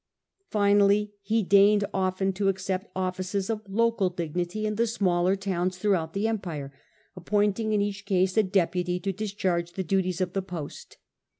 Finally he deigned often to accept offices of local dignity in the smaller towns throughout the empire, appointing in each case a deputy to discharge the duties of the post.